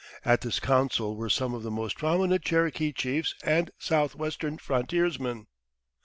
At this council were some of the most prominent Cherokee chiefs and southwestern frontiersmen.